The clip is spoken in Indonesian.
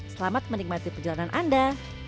selamat menikmati perjalanan anda